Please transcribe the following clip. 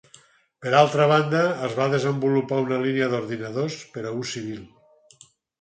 Per altra banda, es va desenvolupar una línia d'ordinadors per a ús civil.